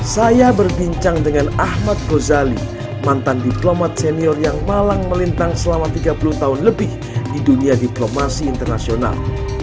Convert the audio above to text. saya berbincang dengan ahmad gozali mantan diplomat senior yang malang melintang selama tiga puluh tahun lebih di dunia diplomasi internasional